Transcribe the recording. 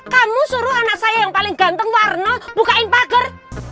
kamu suruh anak saya yang paling ganteng warna bukain pagar